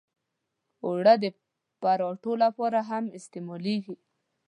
اوړه د پراتو لپاره هم استعمالېږي